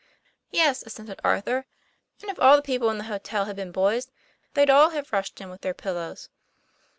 u Yes, " assented Arthur; "and if all the people in the hotel had been boys, they'd all have rushed in with their pillows."